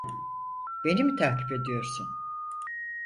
Beni mi takip ediyorsun?